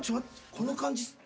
この感じ。